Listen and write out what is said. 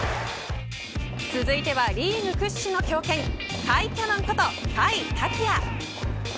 続いてはリーグ屈指の強肩甲斐キャノンこと、甲斐拓也。